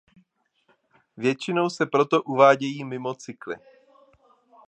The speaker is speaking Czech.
Většinou se proto uvádějí mimo cykly.